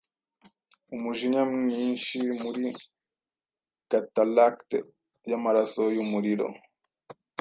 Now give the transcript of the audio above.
umujinya mwinshi Muri cataracte yamaraso yumuriro